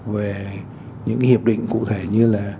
về những hiệp định cụ thể như là